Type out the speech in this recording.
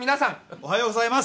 おはようございます。